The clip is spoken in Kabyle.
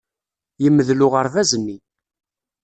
Yemdel uɣerbaz-nni.